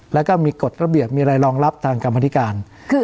แล้วก็มีกฎระเบียบมีอะไรรองรับทางกรรมธิการ